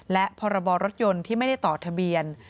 และพรบรถยนต์ที่ไม่ได้ต่อทะเบียน